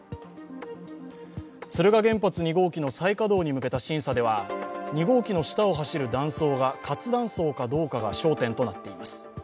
敦賀原発２号機の再稼働に向けた審査では２号機の下を走る断層が活断層かどうかが焦点となっています。